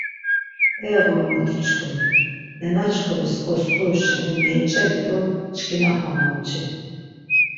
E ğormoti-çkuni! Nena-çkunis goskuru şeni menç̌eli do çkinapa momçit.